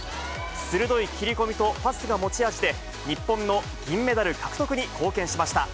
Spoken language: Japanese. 鋭い切り込みとパスが持ち味で、日本の銀メダル獲得に貢献しました。